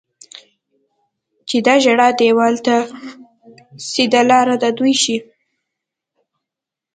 چې د ژړا دېوال ته سیده لاره د دوی شي.